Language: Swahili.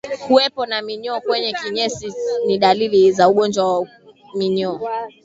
Kuwepo na minyoo kwenye kinyesi ni dalili za ugonjwa wa minyoo